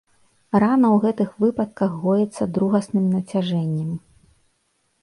Рана ў гэтых выпадках гоіцца другасным нацяжэннем.